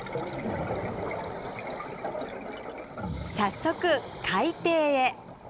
早速海底へ。